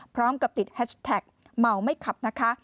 พร้อมกับติดแฮชแท็กเมาไม่ขับนะคะ